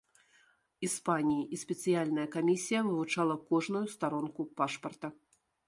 Іспаніі, і спецыяльная камісія вывучала кожную старонку пашпарта.